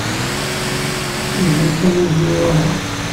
Iban kan iwet-iyi waḍu.